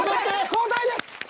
交代です。